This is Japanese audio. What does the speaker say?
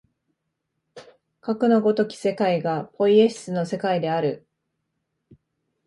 かくの如き世界がポイエシスの世界である。